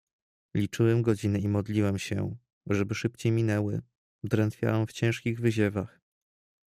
"Liczyłem godziny i modliłem się, żeby szybciej minęły; drętwiałem w ciężkich wyziewach."